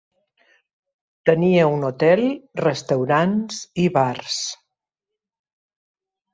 Tenia un hotel, restaurants i bars.